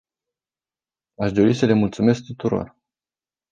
Aș dori să le mulțumesc tuturor.